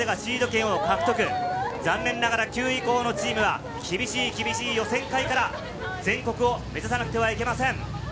残念ながら９位以降のチームは厳しい厳しい予選会から全国を目指さなくてはなりません。